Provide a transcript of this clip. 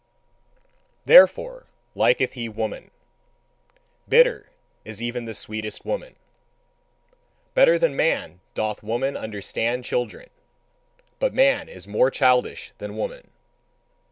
Therefore liketh he woman; bitter is even the sweetest woman. Better than man doth woman understand children, but man is more childish than woman.